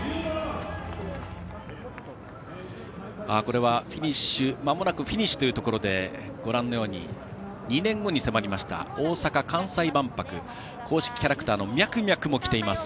これは、まもなくフィニッシュというところでご覧のように２年後に迫りました大阪・関西万博公式キャラクターのミャクミャクも来ています。